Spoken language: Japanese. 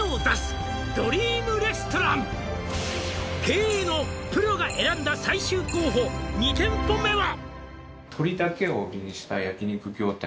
「経営のプロが選んだ最終候補」「２店舗目は」